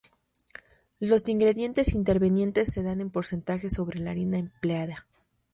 Los ingredientes intervinientes se dan en porcentajes sobre la harina empleada.